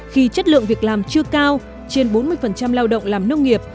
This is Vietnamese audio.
khi chất lượng việc làm chưa cao trên bốn mươi lao động làm nông nghiệp